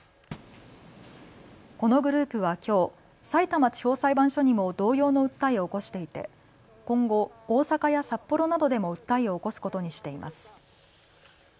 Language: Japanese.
このグループはきょう、さいたま地方裁判所にも同様の訴えを起こしていて今後、大阪や札幌などでも訴えを起こすことにしています。